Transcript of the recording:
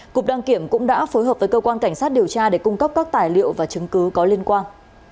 cục đăng kiểm cũng đã phối hợp với cơ quan cảnh sát điều tra để cung cấp các tài liệu và chứng cứ có liên quan